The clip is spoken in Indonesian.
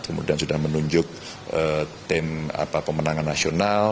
kemudian sudah menunjuk tim pemenangan nasional